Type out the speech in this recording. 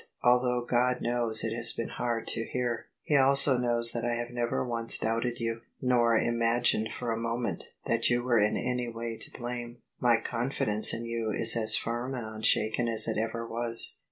Although God knows it has been hard to bear. He also knows that I have never once doubted you, nor imagined for a moment that you were in any way to blame. My confidence in you is as firm and unshaken as it ever was.